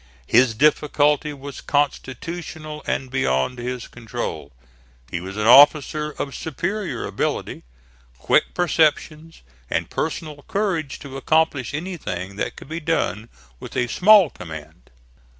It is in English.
His difficulty was constitutional and beyond his control. He was an officer of superior ability, quick perceptions, and personal courage to accomplish anything that could be done with a small command.